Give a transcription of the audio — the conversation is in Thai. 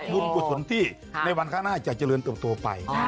บุญผู้สนที่ในวันค่าหน้าจะเจริญตัวไป